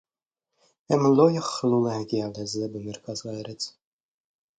הם לא יכלו להגיע לזה במרכז הארץ